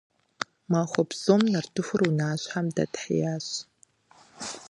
Махуэ псом нартыхур унащхьэм дэтхьеящ.